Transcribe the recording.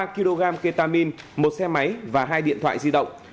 ba kg ketamin một xe máy và hai điện thoại di động